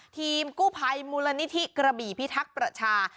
ทีมกู้ภัยมูลนิธิกระบี่พิทักษ์ประชา